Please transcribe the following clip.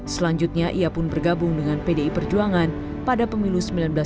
selanjutnya ia pun bergabung dengan pdi perjuangan pada pemilu seribu sembilan ratus sembilan puluh